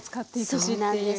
そうなんです。